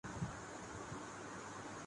میں ٹھیک بھائی آپ کیسے ہیں؟